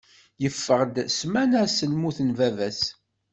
Yeffeɣ-d ssmana seld lmut n baba-s.